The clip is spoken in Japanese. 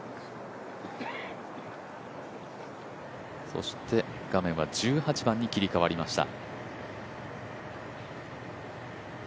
そして画面は１８番に切り替わりました。